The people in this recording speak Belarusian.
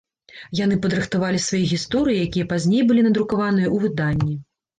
Яны падрыхтавалі свае гісторыі, якія пазней былі надрукаваныя ў выданні.